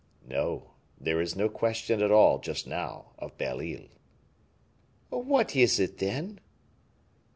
"No; there is no question at all just now of Belle Isle." "What is it, then?"